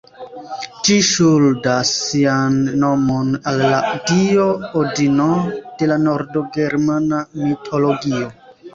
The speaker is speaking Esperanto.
Ĝi ŝuldas sian nomon al la dio Odino de la nord-ĝermana mitologio.